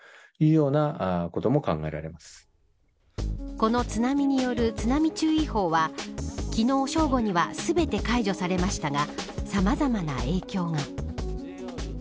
この津波による津波注意報は昨日、正午には全て解除されましたがさまざまな影響が。